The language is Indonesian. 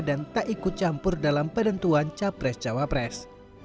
dan tak ikut campur dalam penentuan capres cawapres